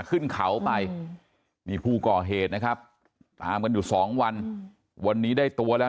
ขึ้นเขาไปนี่ผู้ก่อเหตุนะครับตามกันอยู่สองวันวันนี้ได้ตัวแล้ว